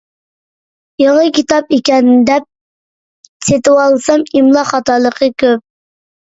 يېڭى كىتاب ئىكەن دەپ سېتىۋالسام ئىملا خاتالىقى كۆپ.